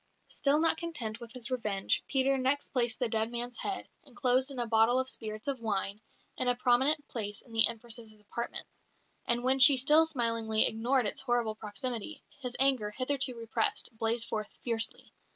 Still not content with his revenge, Peter next placed the dead man's head, enclosed in a bottle of spirits of wine, in a prominent place in the Empress's apartments; and when she still smilingly ignored its horrible proximity, his anger, hitherto repressed, blazed forth fiercely.